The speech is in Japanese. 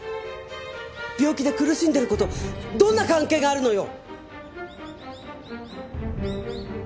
病気で苦しんでる子とどんな関係があるのよ！